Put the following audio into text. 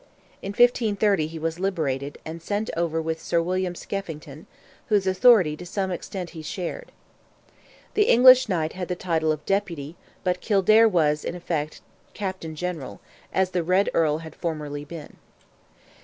In 1530 he was liberated, and sent over with Sir William Skeffington, whose authority to some extent he shared. The English Knight had the title of Deputy, but Kildare was, in effect, Captain General, as the Red Earl had formerly been.